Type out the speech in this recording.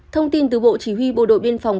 thông tin từ bộ chỉ huy bộ đội biên phòng